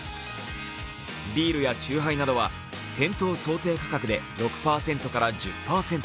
ビールや酎ハイなどは店頭想定価格で６％から１０％。